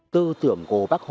tư tưởng của bác hồ